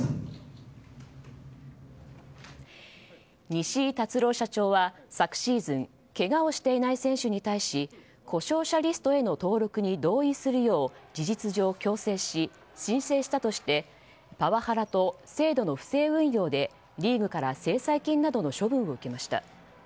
西井辰朗社長は昨シーズンけがをしていない選手に対し故障者リストへの登録に同意するよう事実上強制し申請したとしてパワハラと制度の不正運用でリーグから制裁金などの処分を受けました。